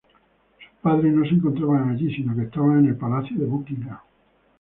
Sus padres no se encontraban allí, sino que estaban en el Palacio de Buckingham.